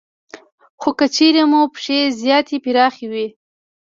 خو که چېرې مو پښې زیاتې پراخې وي